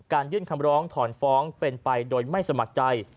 ยื่นคำร้องถอนฟ้องเป็นไปโดยไม่สมัครใจ